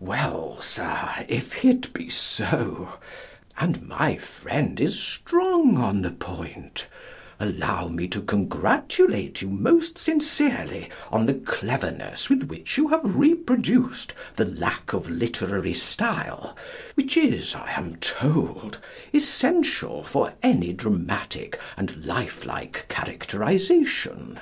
Well, Sir, if it be so and my friend is strong on the point allow me to congratulate you most sincerely on the cleverness with which you have reproduced the lack of literary style which is, I am told, essential for any dramatic and life like characterisation.